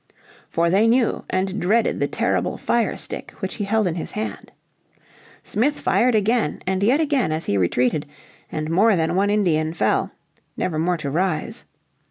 For they knew and dreaded the terrible fire stick which he held in his hand. Smith fired again and yet again as he retreated, and more than one Indian fell, never more to rise.